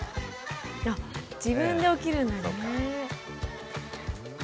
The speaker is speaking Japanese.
あっ自分で起きるんだねぇ。